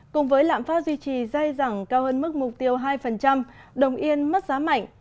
cùng với lãm pháp duy trì dây dẳng cao hơn mức mục tiêu hai đồng yên mất giá mạnh